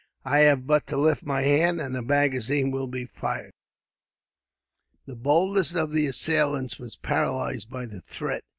I have but to lift my hand, and the magazine will be fired." The boldest of the assailants were paralysed by the threat.